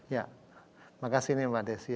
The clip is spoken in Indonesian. ya terima kasih nih mbak desi